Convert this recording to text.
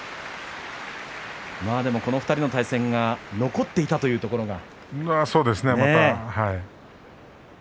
この２人の対戦が残っていたというところが。